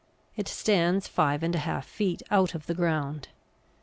It stands five and a half feet out of the ground.